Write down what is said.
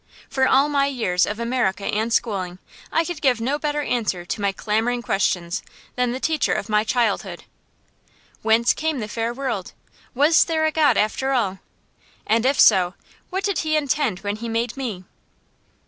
For all my years of America and schooling, I could give no better answer to my clamoring questions than the teacher of my childhood. Whence came the fair world? Was there a God, after all? And if so, what did He intend when He made me?